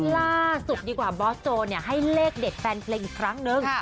ล่าสุดดีกว่าบอสโจให้เลขเด็ดแฟนเพลงอีกครั้งนึง